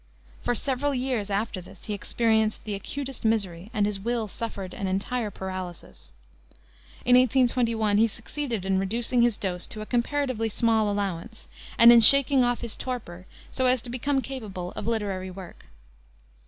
For several years after this he experienced the acutest misery, and his will suffered an entire paralysis. In 1821 he succeeded in reducing his dose to a comparatively small allowance, and in shaking off his torpor so as to become capable of literary work.